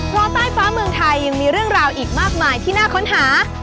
เพราะใต้ฟ้าเมืองไทยยังมีเรื่องราวอีกมากมายที่น่าค้นหา